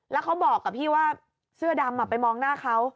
แล้วเขาบอกกับพี่ว่าเสื้อดำไปมองหน้าเขา